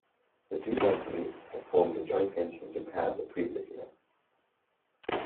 The two companies had formed a joint venture in Japan the previous year.